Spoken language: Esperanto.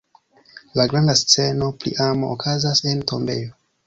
La granda sceno pri amo, okazas en tombejo!